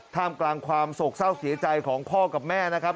ท่ามกลางความโศกเศร้าเสียใจของพ่อกับแม่นะครับ